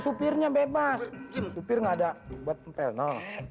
supirnya bebas supir nggak ada buat pempel no